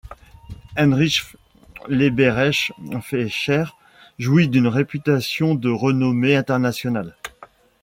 Heinrich Leberecht Fleischer jouit d'une réputation de renommée internationale.